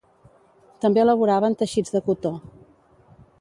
També elaboraven teixits de cotó.